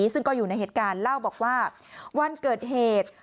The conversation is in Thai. ซึ่งก็อยู่ในเหตุการณ์เล่าบอกว่าวันเกิดเหตุ